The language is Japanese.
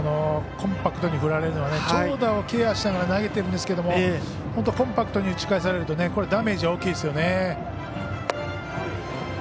コンパクトに振られるのが長打をケアしながら投げているんですが本当コンパクトに打ち返されるとダメージが大きいですよね。